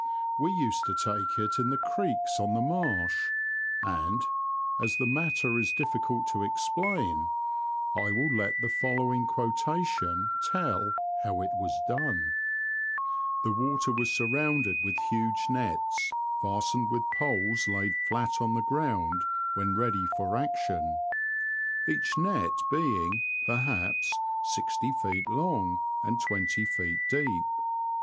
We used to take it in the creeks on the marsh, and, as the matter is difficult to explain, I will let the following quotation tell how it was done :" The water was surrounded with huge nets, fastened with poles laid flat on the ground w^hen ready for action, each net being, perhaps, sixty feet long and twenty feet deep.